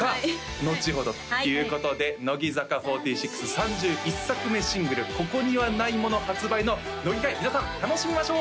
のちほどっていうことで乃木坂４６３１作目シングル「ここにはないもの」発売の乃木回皆さん楽しみましょう！